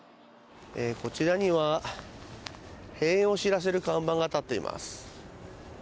こちらには閉園を知らせる看板が立っています。